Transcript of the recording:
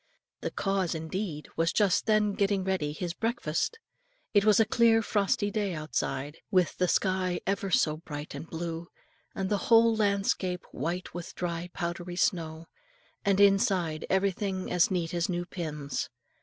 The cause indeed was just then busy getting ready his breakfast. It was a clear frosty day outside, with the sky ever so bright and blue, and the whole landscape white with dry powdery snow; and inside everything was as neat as new pins.